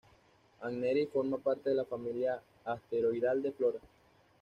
Amneris forma parte de la familia asteroidal de Flora.